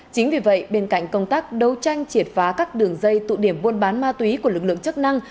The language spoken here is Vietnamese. chính vì vậy bên cạnh công tác đấu tranh triệt phá các đường dây tụ điểm buôn bán ma túy của lực lượng chức năng